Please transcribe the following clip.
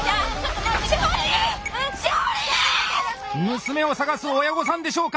娘を捜す親御さんでしょうか？